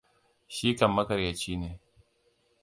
Shi kam maƙaryaci ne.